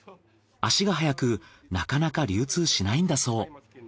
足が早くなかなか流通しないんだそう。